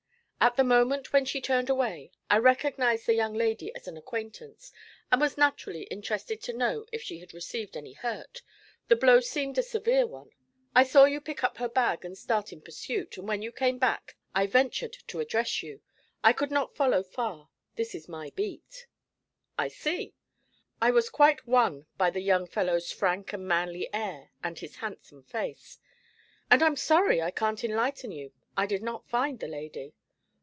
At the moment when she turned away, I recognised the young lady as an acquaintance, and was naturally interested to know if she had received any hurt the blow seemed a severe one. I saw you pick up her bag and start in pursuit, and when you came back I ventured to address you. I could not follow far; this is my beat.' 'I see!' I was quite won by the young fellow's frank and manly air and his handsome face; 'and I'm sorry I can't enlighten you. I did not find the lady.'